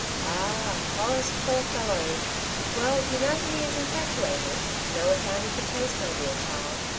'' Ah I Horace, poor fellow ! Well, you know he is infatuated. No accounting for taste, my dear child.